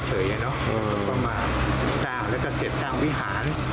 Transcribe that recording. ต้องมาสร้างแล้วก็เสร็จสร้างวิหาร